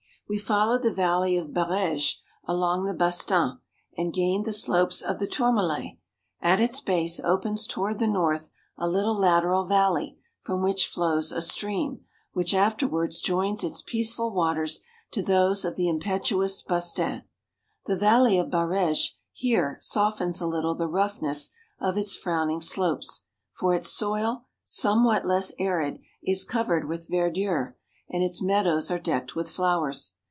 We followed the valley of Bareges, along the Bastan, and gained the slopes of the Tourmalet. At its base, opens towards the north a little lateral valley, from which flows a stream, which afterwards joins its peaceful waters to those of the impetuous Bastan. The valley of Bareges here softens a little the roughness of its frowning slopes, for its soil, somewhat less arid, is covered with verdure, and its meadows are decked with flowers.